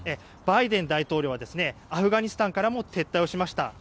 バイデン大統領はアフガニスタンからも撤退しました。